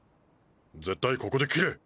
絶対ここで切れ！